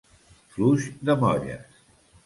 Fluix de molles.